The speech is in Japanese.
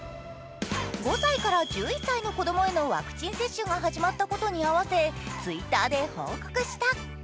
５歳から１２歳の子供へのワクチン接種が始まったことに合わせＴｗｉｔｔｅｒで報告した。